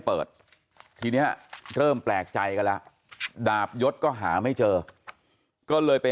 เปิดทีนี้เริ่มแปลกใจกันแล้วดาบยศก็หาไม่เจอก็เลยไป